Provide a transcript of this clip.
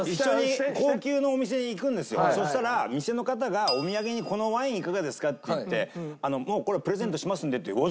そしたら店の方が「お土産にこのワインいかがですか？」っていって「これはプレゼントしますので」ってわざわざ来るんだよ